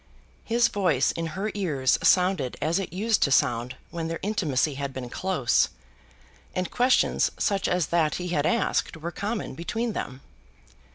His voice in her ears sounded as it used to sound when their intimacy had been close, and questions such as that he had asked were common between them.